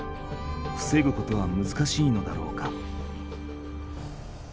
ふせぐことは難しいのだろうか？